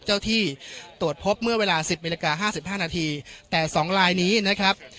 ที่ตรวจพบเมื่อเวลาสิบนาฬิกาห้าสิบห้านาทีแต่สองลายนี้นะครับ